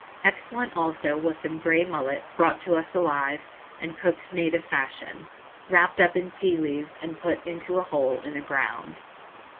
Excellent also was some grey mullet, brought to us alive, and cooked native fashion, wrapped up in ti leaves, and put into a hole in the ground.